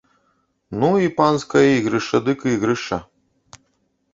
Ну і панскае ігрышча дык ігрышча!